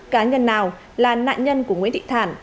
cá nhân nào là nạn nhân của nguyễn thị thản